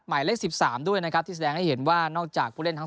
หมายเลข๑๓ด้วยนะครับที่แสดงให้เห็นว่านอกจากผู้เล่นทั้ง